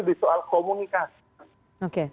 di soal komunikasi